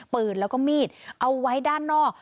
ปืนแล้วก็มีดเอาไว้ด้านนอก